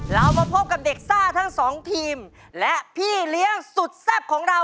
เรามาพบกับเด็กซ่าทั้งสองทีมและพี่เลี้ยงสุดแซ่บของเรา